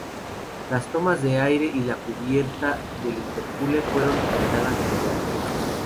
Las tomas de aire y la cubierta del intercooler fueron pintadas de color negro.